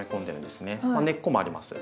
根っこもあります。